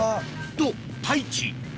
と太一